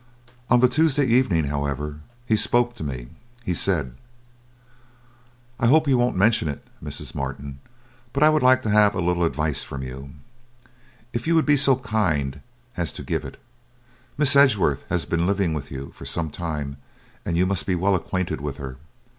On the Tuesday evening, however, he spoke to me. He said: "'I hope you won't mention it, Mrs. Martin, but I would like to have a little advice from you, if you would be so kind as to give it. Miss Edgeworth has been living with you for some time, and you must be well acquainted with her.